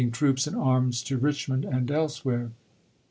troops and arms to Richmond and elsewhere.